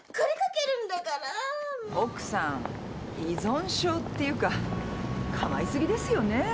奥さん依存症っていうかかまい過ぎですよね。